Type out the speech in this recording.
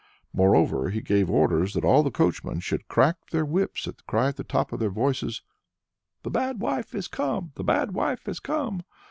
Moreover, he gave orders that all the coachmen should crack their whips and cry at the top of their voices: "The Bad Wife has come! the Bad Wife has come!"